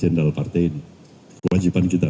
jenderal partai ini kewajiban kita